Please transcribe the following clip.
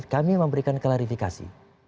kami memberikan klarifikasi